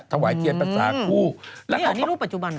ถวายเทียนปรสาคู่อันนี้รูปปัจจุบันหรอ